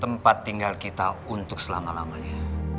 tempat tinggal kita untuk selama lamanya